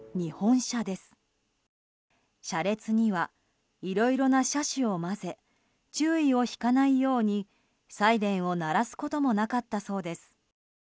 車列にはいろいろな車種を混ぜ注意を引かないようにサイレンを鳴らすこともなかったそうです。